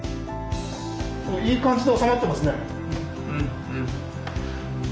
いい感じで収まってますね。